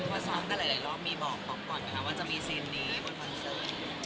พี่ป๊อกช้อนก็หลายรอบมีบอกบอกก่อนนะคะว่าจะมีซีนนี้บนคอนเสิร์ต